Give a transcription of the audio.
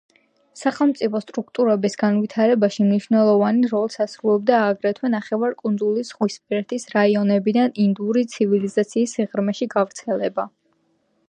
სახელმწიფო სტრუქტურების განვითარებაში მნიშვნელოვან როლს ასრულებდა აგრეთვე, ნახევარკუნძულის ზღვისპირეთის რაიონებიდან ინდური ცივილიზაციის სიღრმეში გავრცელება.